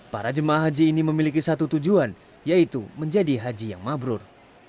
para jemaah haji ini memiliki satu tujuan yaitu menjadi haji yang mabrur